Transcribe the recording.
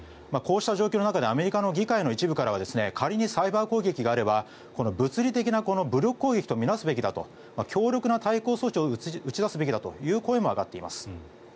こうした状況の中でアメリカの議会の一部からは仮にサイバー攻撃があれば物理的な武力攻撃と見なすべきだと強力な対抗措置を打ち出すべきだという声も上がっています。